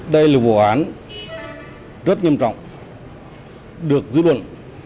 đây là vụ án rất nghiêm trọng được dư luận